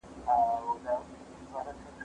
زه هره ورځ سفر کوم؟!